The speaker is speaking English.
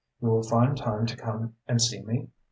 You will find time to come and see me?"